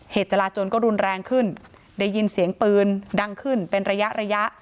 จราจนก็รุนแรงขึ้นได้ยินเสียงปืนดังขึ้นเป็นระยะระยะ